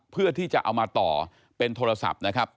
เพื่อที่จะเอามาต่อเป็นโทรศัพท์นะครับ